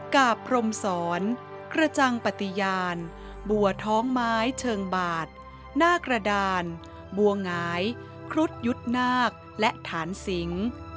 กับพรมศรกระจังปฏิญาณบัวท้องไม้เชิงบาดหน้ากระดานบัวหงายครุฑยุทธ์นาคและฐานสิง